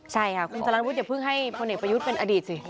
ใช่ค่ะคุณสารวุฒิอย่าเพิ่งให้พลเอกประยุทธ์เป็นอดีตสิ